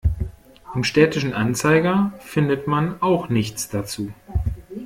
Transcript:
Im Städtischen Anzeiger findet man auch nichts dazu.